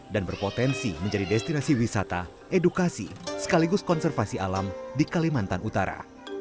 dan berpotensi menjadi destinasi wisata edukasi sekaligus konservasi alam di kalimantan utara